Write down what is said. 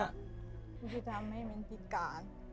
มันจะทำให้มันพิการ